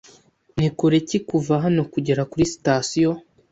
Ni kure ki kuva hano kugera kuri sitasiyo ?